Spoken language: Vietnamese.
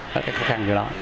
đó là cái khó khăn của nó